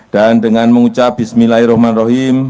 dan dengan mengucap bismillahirrahmanirrahim